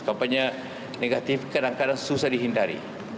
kampanye negatif kadang kadang susah dihindari